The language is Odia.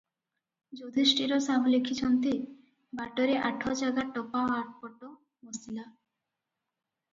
ଯୁଧିଷ୍ଠିର ସାହୁ ଲେଖିଛନ୍ତି, "ବାଟରେ ଆଠ ଜାଗା ଟପା ଆପଟ ବସିଲା ।